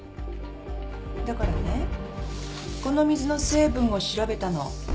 だからねこの水の成分を調べたの。